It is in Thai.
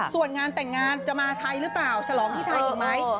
ส่วนงานแต่งงานจะมาไทยหรือเปล่าฉลองที่ไทยอีกไหม